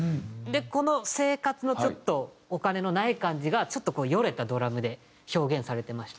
この生活のちょっとお金のない感じがちょっとこうヨレたドラムで表現されてまして。